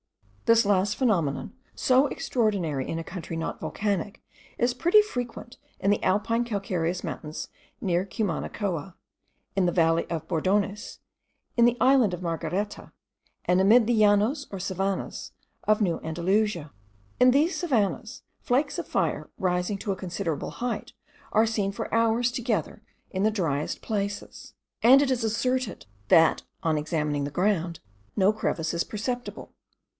This last phenomenon, so extraordinary in a country not volcanic, is pretty frequent in the Alpine calcareous mountains near Cumanacoa, in the valley of Bordones, in the island of Margareta, and amidst the Llanos or savannahs of New Andalusia. In these savannahs, flakes of fire rising to a considerable height, are seen for hours together in the dryest places; and it is asserted, that, on examining the ground no crevice is perceptible.